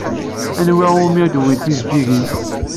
Anwa umi d-wwint tijeǧǧigin?